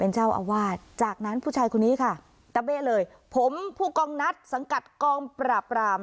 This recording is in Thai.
เจ้าอาวาสจากนั้นผู้ชายคนนี้ค่ะตะเบ๊ะเลยผมผู้กองนัดสังกัดกองปราบราม